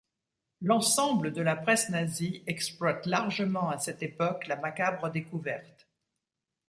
L'ensemble de la presse nazie exploite largement, à cette époque, la macabre découverte.